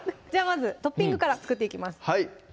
まずトッピングから作っていきます